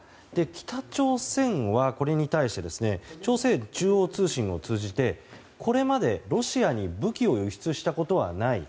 北朝鮮は、これに対して朝鮮中央通信を通じてこれまでロシアに武器を輸出したことはない。